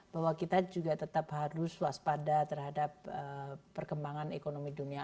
bahwa kita juga tetap harus waspada terhadap perkembangan ekonomi dunia